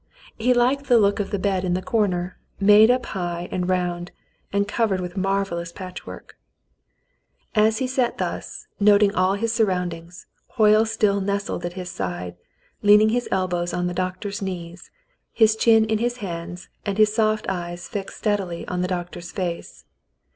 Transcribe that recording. He liked the look of the bed in the corner, made up high and round, and covered with marvellous patchwork. As he sat thus, noting all his surroundings, Hoyle still nestled at his side, leaning his elbows on the doctor's knees, his chin in his hands, and his soft eyes fixed steadily on the doctor's face.